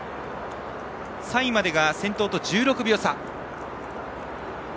３位までが先頭と１６秒差。